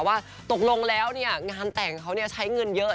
ว่าตกลงแล้วงานแต่งเขาใช้เงินเยอะ